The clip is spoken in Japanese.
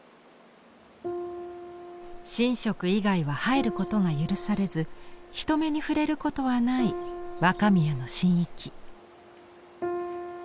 神職以外は入ることが許されず人目に触れることはない若宮の神域。